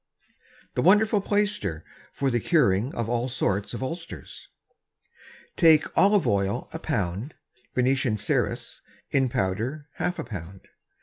The Wonderful Plaister for the Curing of all sorts of Ulcers. Take Oil Olive a Pound, Venetian Ceruss, in Powder, half a Pound.